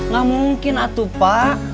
gak mungkin atuh pak